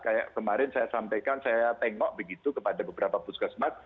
kayak kemarin saya sampaikan saya tengok begitu kepada beberapa puskesmas